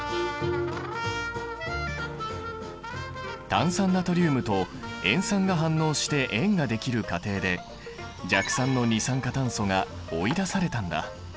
炭酸ナトリウムと塩酸が反応して塩が出来る過程で弱酸の二酸化炭素が追い出されたんだ。